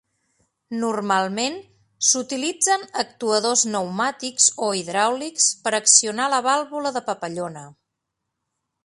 Normalment s'utilitzen actuadors pneumàtics o hidràulics per accionar la vàlvula de papallona.